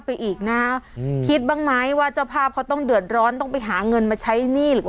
พักพักพักพัก